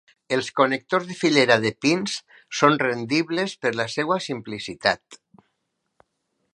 Els connectors de filera de pins són rendibles per la seva simplicitat.